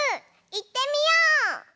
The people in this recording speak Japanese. いってみよう！